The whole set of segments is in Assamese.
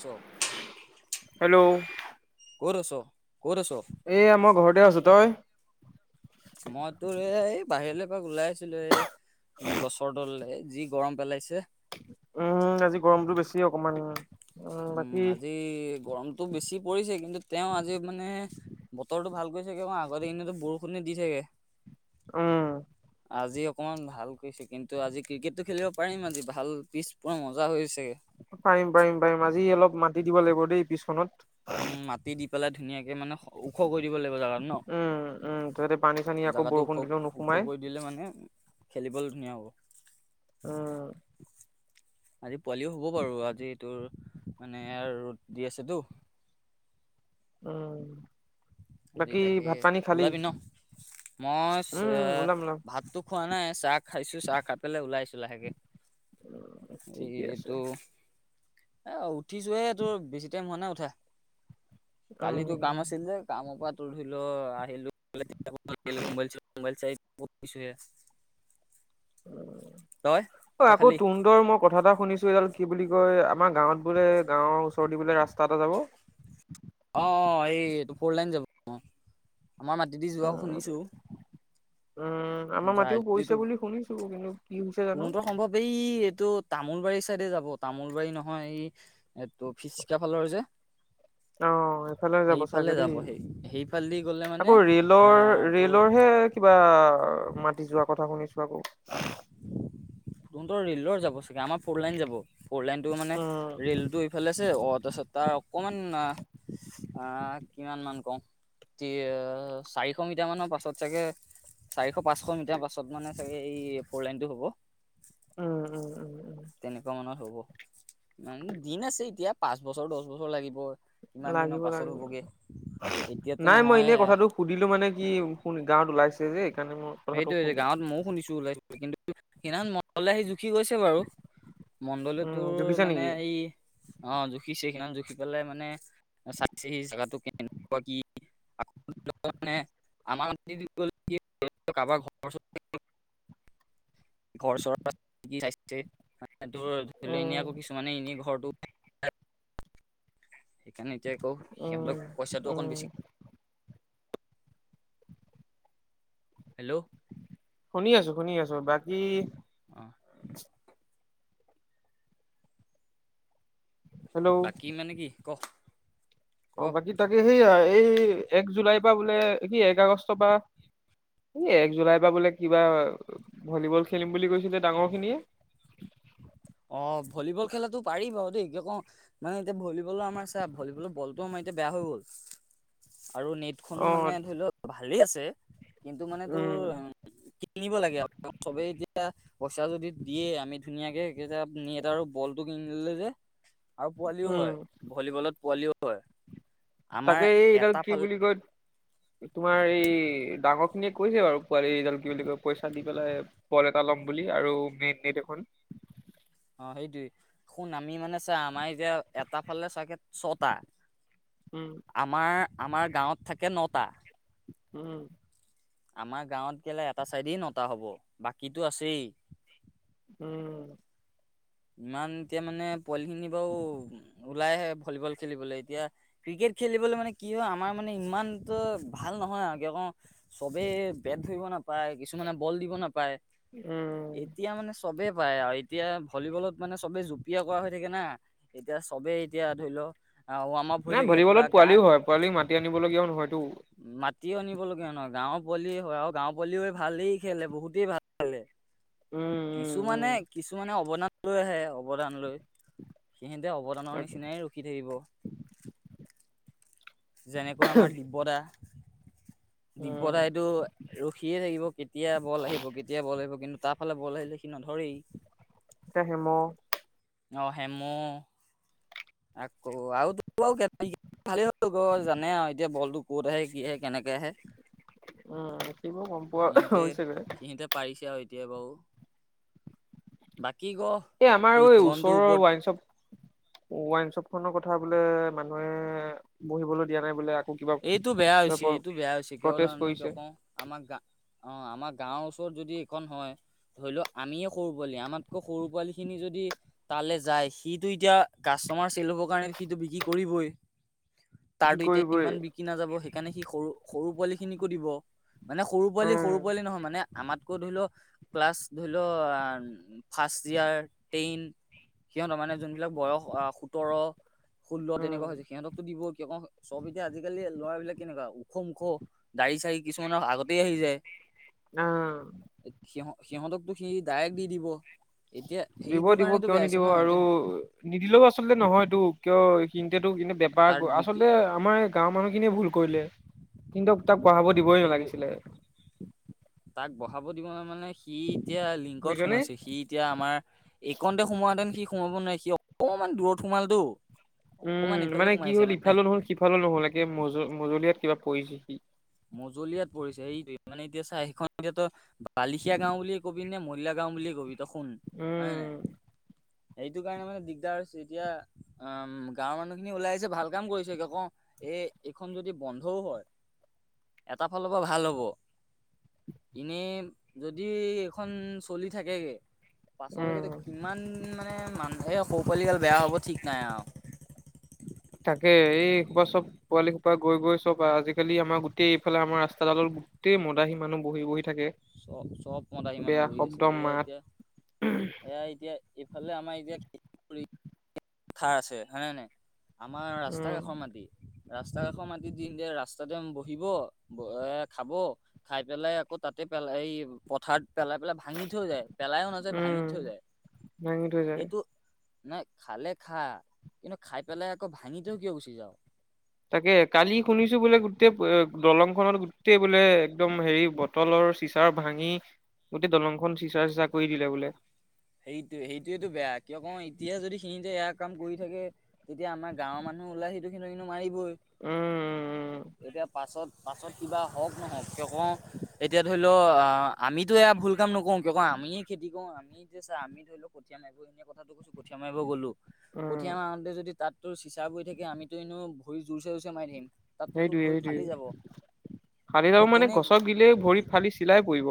চ [unintelligible] হেল্ল', ক'ত আছ্? এয়া মই ঘৰতে আছো। তই? মই তো এ বাহিৰলৈ এপাক ওলাই আহিছিলো এই গছৰ তললে। যি গৰম পেলাইছে। উম, আজি গৰমতো বেছি অকণমান উ। উম, আজি গৰমটো বেছি পৰিছে কিন্তু তেওঁ আজি মানে বতৰটো ভাল কৰি চেগে ক আগ দিন এনেইতো বৰষুণে দি থাকে। অ। আজি অকমান ভাল কৰিছে, কিন্তু আজি ক্ৰিকেটটো খেলিব পাৰিম আজি ভাল পিছ পুৰা মজা হৈ আছেগে। পাৰিম পাৰিম পাৰিম আজি অলপ মাটি দিব লাগিব দেই পিছখনত। উম মাটি দি পেলাই ধুনীয়াক কে মানে খ ওখ কৰি দিব লাগিব জাগাতো উম উম তাতে পানী চানী ন? আকৌ জাগাতো ওখ বৰষুণ দিলেও ওখ নোসোমাই কৰি দিলে মা মানে খেলিবলে ধুনীয়া হ'ব। অ। আজি পোৱালিও হ'ব বাৰু, আজি তোৰ মানে এৰ ৰ'দ দি আছেটো। উম, বাকী তাকে ভাত পানী খালি। ওলাবি ন মই উম ওলাম ওলাম ভাততো খোৱা নাই চাহ খাইছো চাহ খাই পেলাই ওলাইছো। লাহেগে এই ঠিকে আছে এইটো এ উঠিছোহে তোৰ বেছি টাইম হোৱা নাই উঠা কালিতো উম কাম আছিল যে মপাত উৰিলো আহোকাইলাইল চ [unintelligible] ব পছে উ, অ, তই আকৌ খালি তুন্দৰ মই কথা এটা শুনিছো এইডাল কি বুলি কয় আমাৰ গাৱত বোলে গাৱৰ ওচৰদি বোলে ৰাস্তা এটা যাব। অ অ এই এইটো ফৰ লাইন যাব অ আমাৰ মাটি দি যোৱা উম শুনিছো উম, আমাৰ মাটিও পৰিছে বুলি শুনিছো কিন্তু কি হৈছে জানো তহতৰ সম্ভৱ এই এইটো তামোল বাৰী চাইডে যাব তামোল বাৰী নহয় এই এইটো ফিচকা ফালৰ যে আহ এইফালে যাব সেইফালে চাগে যাব দেই সেই সেইফালেদি গ'লে মানে আকৌ ৰেলৰ আহ - তোৰ ৰেলৰ হে কিবা মাতি যোৱা কথা শুনিছো। বাবু তহত ৰেলৰ যাব চাগে আমাৰ ফলাইন যাব। ফ'ৰ লাইনতটো মানে উম ৰেলতটো ইফালেছে অ, তাৰপিছত তাৰ অকমান আহ, কিমান মান কও চাৰিশ মিটাৰ মানৰ পাছত চাগে চাৰিশ পাঁচশ মিটাৰ পাছত মানে সেই এই পৰলাইনটো হব উম উম উম উম তেনেকুৱা মানত হব। উ দিন আছে এতিয়া পাঁচ বছৰ দহ বছৰ লাগিব কিমান দিনৰ লাগিব পাছত লাগিব হ'বগে এতিয়াতো নাই মই এনেই নহয় কথাটো সুধিলো মানে কি কোন গাৱত ওলাইছে। যে সেইকাৰণে মোৰ কথাটো সেইটোয়ে শুন যে গাৱত মইও শুনিছো ওলাই কিন্ত সদি মন আহি জুখি গৈছে বাৰু মণ্ডল উম তোৰ জুখিছে মানে নেকি এই অ, জুখি চখ স জুখি পেলাই মানে চাইছে সি জোগাতটো কেনেকুৱা কি? মান আমাৰ য কাৰোবাৰ ঘৰ ঘৰ চ চাইছে তোৰ ধৰি ল উম এনে আকৌ কিছুমানে এনেই ঘৰটো সেইকাৰণে এতিয়া আকৌ উম সিহতক পইচাটো উম অকণ বেছি হেল্ল' অ শুনি আছো শুনি আছো বাকী হেল্ল', বাকী মানে কি ক ক অ, বাকী তাকে সেইয়া এই এক জুলাইৰ পৰা বোলে কি এক আগষ্টৰ পৰা এই এক জুলাইৰ পৰা বোলে কিবা ভলীবল খেলিম বুলি কৈছিলে ডাঙৰ খিনিয়ে উম, অ ভলীবল খেলাতো পাৰি দেই কিয় কও মানে এতিয়া ভলীবলৰ আমাৰ চা ভলীবলৰ বলটো আমাৰ এতিয়া বেয়া হৈ গ'ল আৰু নেটখনো অ মানে ধৰি লও ভালেই আছে। কিন্তু মানে তোৰ উম কিনিব লাগে চবেই এতিয়া পইচা যদি দিয়ে আমি ধুনীয়াকে ন ত আৰু বলটো কিনি দিল যে আৰু পোৱালিও উম হয় ভলীবলত পোৱালিও হয়। আমাৰ তাকে এই এইডাল এটা কি ফাল বুলি কয় তোমাৰ এই ডাঙৰ আখিনিয়ে কৈছে বাৰু পোৱালিডাল কি বুলি কয় পইচা দি পেলাই বল এটা ল'ম বুলি আৰু মেইন ন দেখোন। [inaudible] অ সেইটোৱেই শুন আমি মানে চা আমাৰ এতিয়া এটা ফালে চাগে ছটা উম আমাৰ আমাৰ গাৱত থাকে নটা। উম, আমাৰ গাৱত গলে এটা চাইডেই নটা হব বাকীতো আছেই। উম, ইমান এতিয়া মানে পলিখিনি বাৰু ওলাই আহে। ভলীবল খেলিবলে এতিয়া ক্ৰিকেট খেলিবলৈ মানে কি হয় আমাৰ মানে ইমানত ভাল নহয় আৰু। অ, চবেই বেট ধৰিব না পায় কিছুমানে বল দিব নাপায় উম এতিয়া মানে চবে পায় আৰু এতিয়া ভলীবলত মানে চবে জুপিয়া কৰা হৈ থাকে না এতিয়া চবেই এতিয়া ধৰি লও ৱাৰ্ম আপ হৈ নাই থাকে পুৰা ভলীবলত পোৱালিও হয় পোৱালিক মাতি আনিবলগীয়াও নহয়তো। মাতি আনিব লগগীয়া নহয় গাৱৰ পোৱালি হয় আৰু গাওৰ পোৱালি ভালেই খেলে বহুতেই ভাল খেলে। উম উম উম কিছুমানে-কিছুমানে অৱদান লৈ আহে অৱদান লৈ। সেইখিনিতে অৱদানৰ তাকে নিচিনাই ৰখি থাকিব। যেনেকৈ আমাৰ দিব্য দা। উম দিব্যতাইটো ৰখিয়ে থাকিব কেতিয়া বল আহিব কেতিয়া বল আহিব কিন্তু তাৰ ফালে বল আহিলে সি নধৰেই। দে হেম। অ' হেমো আকৌ আ [unintelligible] হেইটোকো জানে আৰু এতিয়া বলটো ক'ত আহে কি আহে কেনেকে আহে উম কিব গম পোৱা সিহতে- হৈছেগে সিহঁতে পাৰিছে আৰু। [unintelligible] এই আমাৰ তোৰ জীৱনটোৰ ওচৰৰ ওপৰত ৱাইনশ্বপ- ৱাইনশ্বপ খনৰ কথা কথা বোলে মানুহে বহিবলৈ দিয়া নাই বোলে। আকৌ কিবা এইটো বেয়া কিবা হৈছে- প্ৰ এইটো বেয়া হৈছে কিয় প্ৰটেষ্ট কাৰণে কৰিছে কিয় কওঁ আমাক গা অ' আমাৰ গাঁৱৰ ওচৰত যদি এইখন হয়। ধৰি লও আমিয়ে সৰু পোৱালি আমাতকৈ সৰু পোৱালি খিনি যদি তালে যায় সিটো এতিয়া গাছ কাষ্টমাৰ চেল হ'বৰ কাৰণে সিটো বিক্ৰী কৰিবই। কি তাৰো এতিয়া কৰিবই ইমান বিকি নাযাব সেইকাৰণে সি সৰু-সৰু পোৱালি খিনিকো দিব। মানে সৰু পোৱালি উম সৰু পোৱালি নহয় মানে আমাত ধৰিল ক্লাছ ধৰিল ফাৰ্ষ্ট ইয়াৰ তেন সিহঁতৰ মানে যোনবিলাক বয়স আ সোতৰ ষোল্ল তেনেকুৱা উম হৈছে সিহঁতকতো দিব কিয় ক চব এতিয়া আজিকালি ল'ৰা বিলাক কেনেকুৱা ওখ - ওখ দাৰি চাৰি কিছুমানৰ আগতেই আহি যায়। অ'। সিহ সিহঁতকতো সি ডাইৰেক্ট দি দিব এতিয়া সেইটো দিব- দিব কাৰণেতো কিয় বেয়া হৈছে নিদিব ন আৰু এতিয়া নিদিলেও আচলতে নহয় ইটো কিয় সিহঁতেটো তাৰ বেপাৰটো বিক্ৰী আচলতে আমাৰ এই গাঁৱৰ মানুহখিনিয়ে ভুল কৰিলে কিন্তু তাক পঢ়াব দিবই সেইটো নালাগিছিলে। পঢ়াব দিব মানে সি এতিয়া লিংকত বুজিছনে সোমাইছে সি এতিয়া আমাৰ এইকনতে সোমোৱাহেতেন সি সোমাব নোৱাৰে সি অকমান দূৰত সোমালতো। অকমান উম, এইফালে মানে কি সোমাইছে হ'ল মানে ইফালো নহ'ল সিফালো নহ'ল একে মজ মজলিয়াত কিবা পৰিছে সি। মজলিয়াত পৰিছে এইটোৱে মানে এতিয়া চা হেইখন এতিয়াতো বালিখিয়া গাও বুলিয়ে কবি নে মহিলা গাও বুলিয়ে কবি। [unintelligible] খোন হয় উম নাই। সেইটো কাৰণে মানে দিগদাৰ হৈছে এতিয়া অম গাঁৱৰ মানুহ খিনি ওলাই আহিছে ভাল কাম কৰিছে ক এ -এইখন যদি বন্ধও হয় এটা ফালৰ পৰা ভাল হ'ব। এনে যদি এইখন চলি থাকেগে। উম পাছলৈকে কিমান মানে মান এই সৌ পোৱালিগাল বেয়া হ'ব ঠিক নাই আৰু। তাকে এই সোপা চব পোৱালি সোপা গৈ- গৈ চব আজিকালি আমাৰ গোটেই এইফালে আমাৰ ৰাস্তাডালৰ গোটেই মদাহী মানুহ বহি-বহি থাকে। চব-চব মদাহী বেয়া বহি আছে শব্দ এয়া মাত এতিয়া এয়া এতিয়া এইফালে আমাৰ এতিয়া খাৰ আছে হয়নে নে নাই আমাৰ ৰাস্তাৰ উম কাষৰ মাটি। ৰাস্তা কাষৰ মাটি দি দে ৰাস্তাতে বহিব এ খাব খাই পেলাই আকৌ তাতে পেলাই পথাৰত পেলাই-পেলাই ভাঙি থৈ যায় পেলাইও নাযায় উম ভাঙি থৈ যায় ভাঙি থৈ যায় এইটো নাই খালে খা কিন্তু খাই পেলাই আকৌ ভাঙি থৈ কিয় গুচি যাৱ। তাকে কালি শুনিছো বোলে গোটেই দলংখনত গোটেই বোলে একদম হেৰি বটলৰ চিচাৰ ভাঙি গোটেই দলংখন চিচা, চিচা কৰি দিলে বোলে সেইটো, সেইটোৱেটো বেয়া কিয়নো এতিয়া যদি ইখিনিতে ইয়াক কাম কৰি থাকে তেতিয়া আমাৰ গাঁৱৰ মানুহ ওলাই সেইটো সিটো মাৰি উম দিয়ে এতিয়া পাছত পাছত কিবা হওক নহক কিয় ক এতিয়া ধৰি লও আহ আমিতো এয়া ভুল কাম নকৰো কিয় আমিয়ে খেতি কৰো আমি এতিয়া চা আমি ধৰি ল কঠীয়া মাৰিব এনে কথাটো কৈছো কঠীয়া মাৰিব গ'লো উম কঠীয়া মাৰোতে যদি বাটতো চিচা পৰি থাকে, আমিতো এনেও ভৰি জোৰচে, জোৰচে মাৰি থাকিম। তাততো সেইটোয়ে ভৰি সেইটোয়ে ফালি যাব ফালি যাব মানে তেনে গছক দিলেই ভৰি ফালি চিলাই পৰিব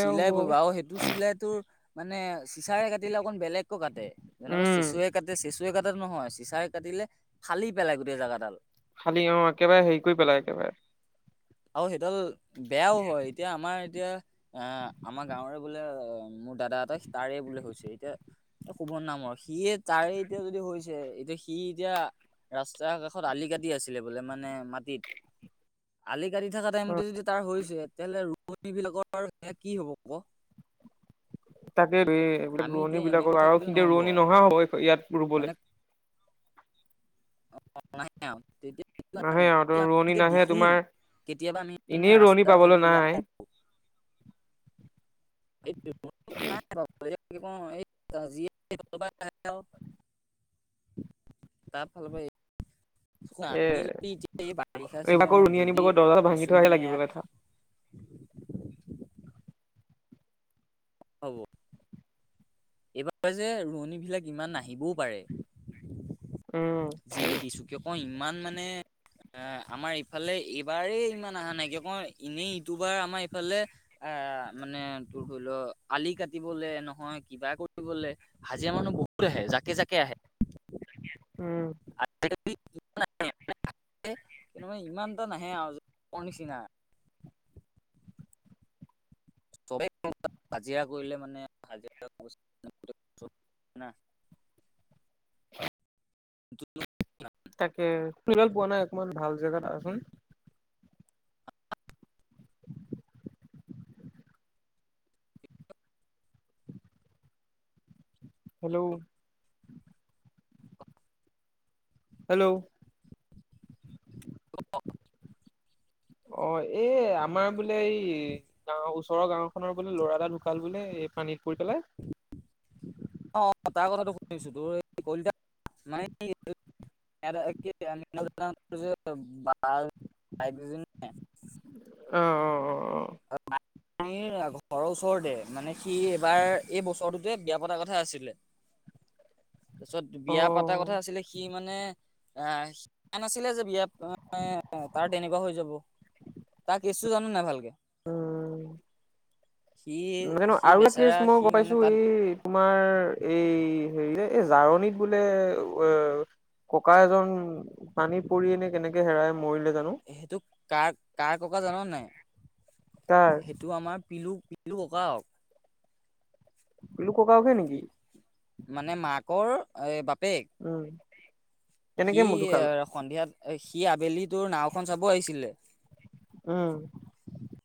চিলাই পৰিব আৰু সেইটো চিলাই তোৰ মানে চিচাৰে কাটিলে অকন বেলেগকৈ কাটে। আকৌ উম চেচুৱে কাটে চিচুৱে, কাটা নহয় চিচাই কাটিলে ফালি পেলাই গোটেই জেগাডাল ফালি অ একেবাৰে হেৰি কৰি পেলাই একেবাৰে আৰু সেইডাল বেয়াও হয়, এতিয়া আমাৰ এতিয়া আহ আমাৰ গাঁৱৰে বোলে মোৰ দাদা এটা তাৰে বোলে হৈছে এতিয়া সুুভন নামৰ সি তাৰে এতিয়া যদি হৈছে এতিয়া সি এতিয়া ৰাস্তা কাষত আলি কাটি আছিলে বোলে মানে মাটিত আলি কাটি থকা অ টাইমতে যদি তাৰ হৈছে। তেতিয়াহ'লে ৰুোৱনী বিলাকৰ সেয়া কি হ'ব ক [inaudible] এ ধেই এইবিলাক আমি ৰোৱনী এতিয়া এনেকৈ বিলাকৰ আৰু থাকিলে সিতে নহব ৰোৱনী আৰু নহয় ইয়াত মানে ৰুবলে [unintelligible] সেইটো কাৰণে নাহে আৰু যদি তোৰ আমি ৰোৱনী এতিয়া নাহে দেখো তোমাৰ। কেতিয়াবা আমি মানে এনেই ৰোৱনী ৰাস্তা পাবলৈ খান্দি দি নাই ওলাই আহো। [unintelligible] তাৰ ফালৰ পা এ আমি যদি এতিয়া এই বাৰিষা এইবিলাকৰ চিজনত ৰুনি আনিব যদি দৰ্জা ভাঙি থৈ আহে কিছুমানে লাগি এয়া পেলাই থা। [inaudible] হব এইবাৰ যে ৰোৱনী বিলাক ইমান নাহিবও পাৰে। উম যি দেখিছো কিয় মই ইমান মানে এ আমাৰ ইফালে এইবাৰেই ইমান অহা নাইকিয়া, মই এনেই ইটোবাৰ আমাৰ ইফালে আ মানে তোৰ ধৰি লও আলি কাটিবলে নহয় কিবা কৰিবলে হাজিৰা মানুহ বহুত আহে জাকে-জাকে আহে। উম'। [unintelligible] কিন্তু মানে ইমান এটা নাহে আৰু লোকৰ নিচিনা। [unintelligible] হাজিৰা কৰিলে মানে হাজিৰা। তাকে তাল পোৱা নাই অকমান ভাল জেগাত আহচোন। হেল্ল'। হেল্ল'। [unintelligible] অ' এ আমাৰ বোলে এই গাঁওৰ ওচৰৰ গাঁও খনৰ বোলে লৰা এটা ঢুকাল বোলে। পানীত পৰি পেলাই অ', -অ' তাৰ কথাটো শুনিছো তোৰ এই কলিতা মানে [unintelligible] অ', -অ', - অ'। অ ম ঘৰৰ ওচৰতে মানে সি এইবাৰ এই বছৰটোতে বিয়া পতা কথা আছিলে। তাৰ পিছত অ অ বিয়া পাতা কথা আছিলে সি। মানে আহ স নাছিলে যে বিয়াত তাৰ তেনেকুৱা হৈ যাব। তাক কেছটো জানো নে নাই ভালকে। উম, সি। জানো সি আৰু এ কেচ বেচেৰা মই সি গ মানে পাইছো তাত এই তোমাৰ এই হেৰি যে এই জাৰনীত বোলে অ। ককা এজন টানি পৰি এনে কেনেকে হেৰাই মৰিলে। জানো সেইটো কাৰ কাৰ ককা জানো নে কাৰ নাই সেইটো আমাৰ। পিলু পিলু ওকায়ক। পিলু ককাকহে নেকি মানে মাকৰ এ বাপ উম। কেনেকে সি ঢুকাল সন্ধিয়াত সি আবেলি তোৰ নাওঁখন চাব আহিছিলে। উম।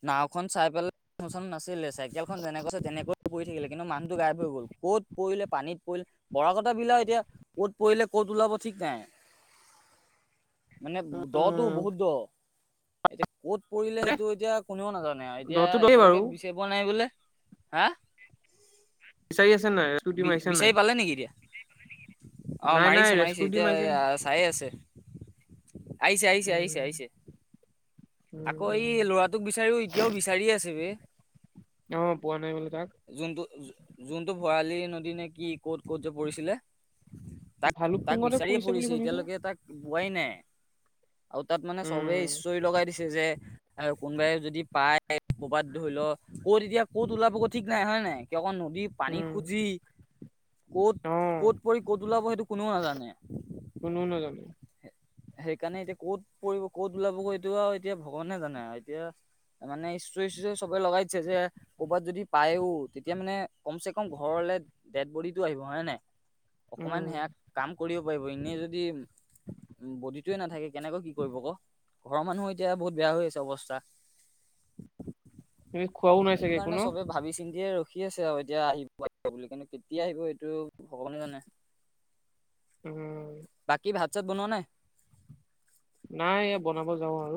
নাওঁখন চাই পেলাই চ নাছিলে। চাইকেলখন যেনেকৈ আছে তেনেকৈ পৰি থাকিলে কিন্তু মানুহটো গায়ব হৈ গ'ল ক'ত। পৰিলে পানীত পৰিলে বৰাকত বিলাক এতিয়া ক'ত পৰিলে ক'ত ওলাব ঠিক নাই। মানে দ টো উম বহুত দ এতিয়া। ক'ত পৰিলে সেইটো এতিয়া কোনেও নাজানে আৰু এতিয়া দহটো দহেই এতিয়ালৈকে বাৰু বিচাৰি পোৱা নাই। বোলে হা বিচাৰি আছে নাই ৰেস্কুটি বি মাৰিছে নাই বিচাৰি পালে নেকি এতিয়া। অ নাই নাই মাৰিছে মাৰিছে ৰেস্কুটি এতিয়া নাই চাই আছে। উম আহিছে-আহিছে-আহিছে-আহিছে। উম আকৌ এই উম ল'ৰাটোক বিচাৰিও এতিয়াও বিচাৰি আছে বে। অ পোৱা নাই বোলে তাক যোনটো-যোনটো ভৰালি নদী নে কি ক'ত ক'ত যে পৰিছিলে। তাক-তাক ভালুকপুঙতে বিচাৰিয়ে পৰিছে বুলি ফৰিছে শুনিছো এতিয়ালৈকে তাক পোৱাই নাই। আৰু তাত মানে চবে উম ইষ্টোৰী লগাই দিছে যে কোনোবাই যদি পায়। ক'বাত ধৰি লওঁ ক'ত এতিয়া ক'ত ওলাব কৈ ঠিক নাই হয় নে নাই কিয়নো। দি পানী উম খুজি। অ ক'ত-ক'ত পৰি ক'ত ওলাব সেইটো কোনেও নাজানে। কোনেও নাজানে সেইকাৰণে এতিয়া ক'ত পৰিব ক'ত ওলাবগৈ এইটো আৰু এতিয়া ভগৱানে জানে আৰু এতিয়া। মানে ইষ্টোৰি থিষ্টোৰি চবে লগাই দিছে যে ক'ৰবাত যদি পায়ই তেতিয়া মানে কমচে কম ঘৰৰ। ডেডবদিটো আহিব হয় নে নাই অকমান উম সেয়া কাম কৰিব পাৰিব এনে যদি। উ বডিটোৱে নাথাকে কেনেকৈ কি কৰিব ক ঘৰৰ মানুহো এতিয়া বহুত বেয়া হৈ আছে অৱস্থা [unintelligible] তুমি খোৱাও নাই চাগে কোনো। এ ৰখি আছে আৰু এতিয়া আহিব আৰু বুলি কিন্তু কেতিয়া আহিব এইটো ভগৱানে জানে। [unintelligible] উম। বাকী ভাত চাত বনোৱা নাই। নাই এ বনাব যাওঁ আৰু।